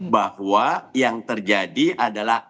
bahwa yang terjadi adalah